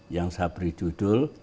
yang saya beri judul